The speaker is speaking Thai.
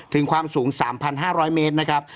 ถึงความสูง๓๕๐๐เมตรนะครับ